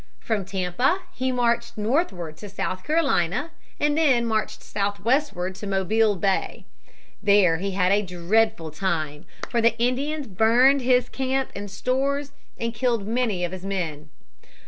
From Tampa he marched northward to South Carolina and then marched southwestward to Mobile Bay. There he had a dreadful time; for the Indians burned his camp and stores and killed many of his men.